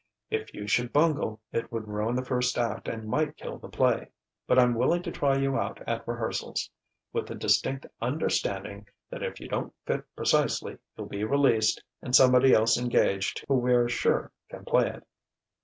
If you should bungle, it would ruin the first act and might kill the play. But I'm willing to try you out at rehearsals with the distinct understanding that if you don't fit precisely you'll be released and somebody else engaged who we're sure can play it."